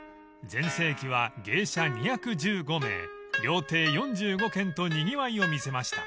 ［全盛期は芸者２１５名料亭４５軒とにぎわいを見せました］